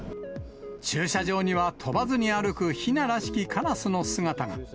駐車場には飛ばずに歩くひならしきカラスの姿が。